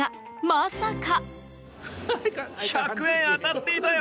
まさか。